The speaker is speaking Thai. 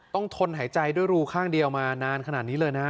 ทนหายใจด้วยรูข้างเดียวมานานขนาดนี้เลยนะ